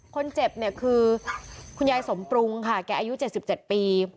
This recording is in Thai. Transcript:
คนเจ็บคือคุณยายสมปรุงใกล้อายุ๑๗ปี